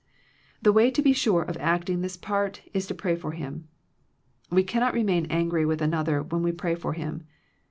The way to be sure of acting this part is to pray for him. We cannot remain angry with another, when we pray for him.